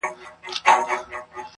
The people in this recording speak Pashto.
o پردى جنگ نيم اختر دئ.